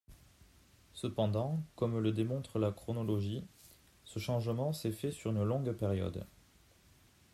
Cependant, comme le démontre la chronologie, ce changement s’est fait sur une longue période.